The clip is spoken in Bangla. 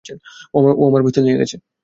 ও আমার পিস্তল নিয়ে গেছে!